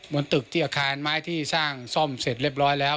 บนตึกที่อาคารไม้ที่สร้างซ่อมเสร็จเรียบร้อยแล้ว